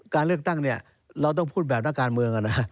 การเลือกตั้งเนี่ยเราต้องพูดแบบนักการเมือง